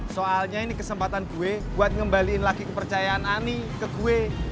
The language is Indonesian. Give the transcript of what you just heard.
soalnya ini kesempatan gue buat ngembalikan lagi kepercayaan ani ke gue